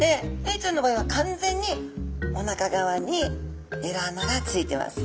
エイちゃんの場合は完全におなか側にエラ穴がついてます。